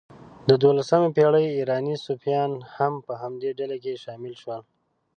د دوولسمې پېړۍ ایراني صوفیان هم په همدې ډلې کې شامل شول.